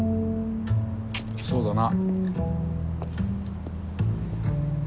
そうだな。